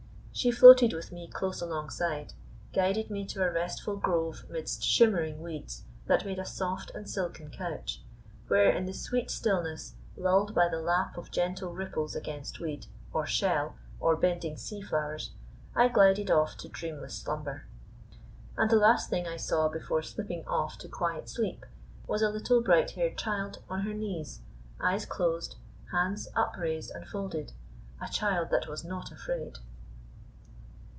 She floated with me close alongside, guided me to a restful grove midst shimmering weeds that made a soft and silken couch, where in the sweet stillness, lulled by the lap of gentle ripples against weed, or shell, or bending sea flowers, I glided off to dreamless slumber. And the last thing I saw before slipping off to quiet sleep was a little bright haired child on her knees, eyes closed, hands upraised and folded: a child that was not afraid.